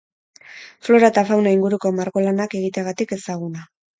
Flora eta fauna inguruko margolanak egiteagatik ezaguna.